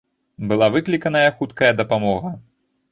Была выкліканая хуткая дапамога.